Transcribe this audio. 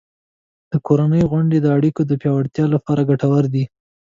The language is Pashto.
د کورنۍ غونډې د اړیکو پیاوړتیا لپاره ګټورې دي.